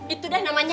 itu deh namanya